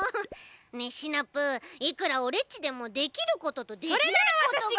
ねえシナプーいくらオレっちでもできることとできないことが。